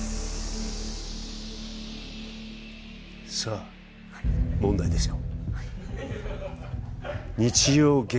さあ、問題ですよ。